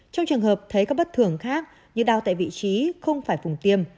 trong trường hợp thấy các bất thường khác như đau tại vị trí không phải vùng tiêm